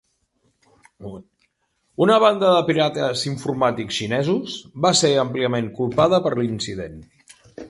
Una banda de pirates informàtics xinesos va ser àmpliament culpada per l'incident.